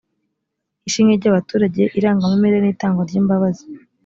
ishimwe ry’abaturage irangamimerere n’itangwa ry’imbabazi